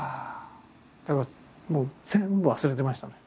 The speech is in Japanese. だからもう全部忘れてましたね。